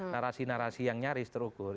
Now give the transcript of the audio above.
narasi narasi yang nyaris terukur